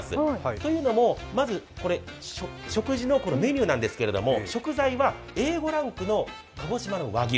というのもまず食事のメニューなんですけど、食材はＡ５ランクの鹿児島の和牛。